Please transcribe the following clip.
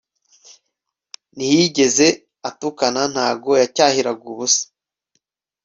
Ntiyigez atukana nta bgo yacyahiragubusa